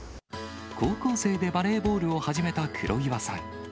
高校生でバレーボールを始めた黒岩さん。